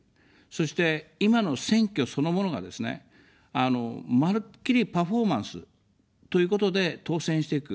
そして今の選挙そのものがですね、まるっきりパフォーマンスということで、当選していく。